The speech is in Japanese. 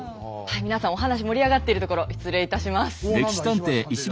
皆さんお話盛り上がってるところ失礼いたします。